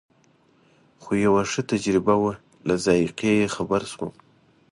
خو یوه ښه تجربه وه له ذایقې یې خبر شوم.